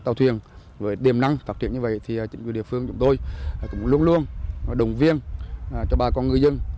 tàu thuyền với tiềm năng phát triển như vậy thì chính quyền địa phương chúng tôi cũng luôn luôn đồng viên cho bà con ngư dân